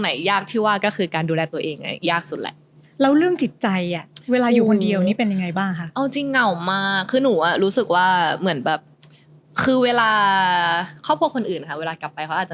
ทำความสะอาดบ้านที่ทำเองก็